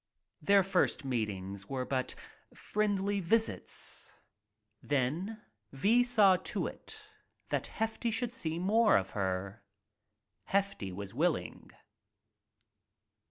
Their first meetings were but friendly visits. Then V saw to it that Hefty should see more of her. Hefty was willing.